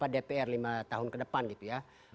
dpr lima tahun ke depan gitu ya